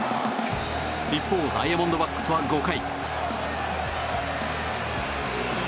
一方、ダイヤモンドバックスは５回。